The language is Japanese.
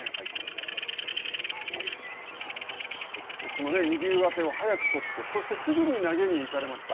そして、この右上手を早く取って、そして、すぐに投げに行かれました。